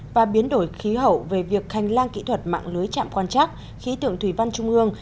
và biến đổi khí hậu về việc hành lang kỹ thuật mạng lưới chạm quan chắc khí tượng thủy văn trung ương